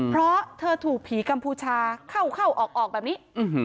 เพราะเธอถูกผีกัมพูชาเข้าเข้าออกแบบนี้